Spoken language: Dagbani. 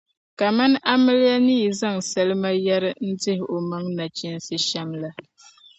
kaman amiliya ni yi zaŋ salima yari n-dih’ omaŋ’ nachiinsi shɛm la.